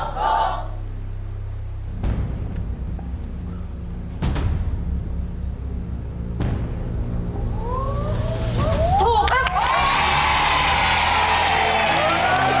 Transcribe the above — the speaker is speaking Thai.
ถูกครับ